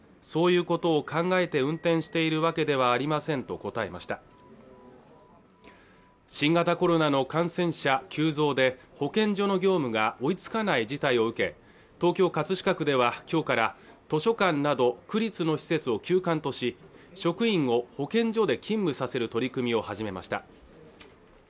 そういうことを考えて運転しているわけではありませんと答えました新型コロナの感染者急増で保健所の業務が追いつかない事態を受け東京葛飾区では今日から図書館など区立の施設を休館とし職員を保健所で勤務させる取り組みを始めました